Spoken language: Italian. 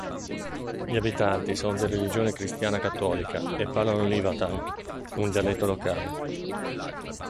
Gli abitanti sono di religione cristiana cattolica e parlano l'ivatan, un dialetto locale.